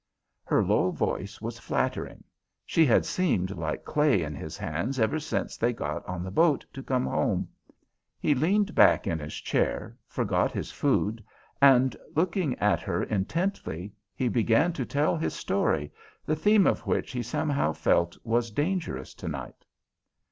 Her low voice was flattering. She had seemed like clay in his hands ever since they got on the boat to come home. He leaned back in his chair, forgot his food, and, looking at her intently, began to tell his story, the theme of which he somehow felt was dangerous tonight.